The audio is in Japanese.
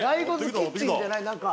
キッチンじゃないなんか。